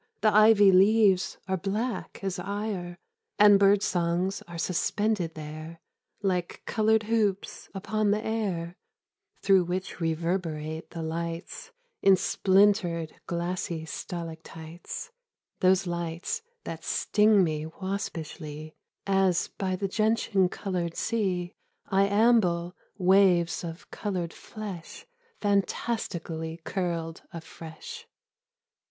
The ivy leaves are black as ire And bird songs are suspended there Like coloured hoops upon the air Through which reverberate the lights In splintered glassy stalactites — Those lights that sting me waspishly As by the gentian coloured sea I amble, waves of coloured flesh . Fantastically curled afresh.